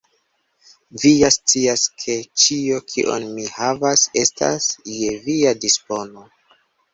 Vi ja scias, ke ĉio, kion mi havas, estas je via dispono.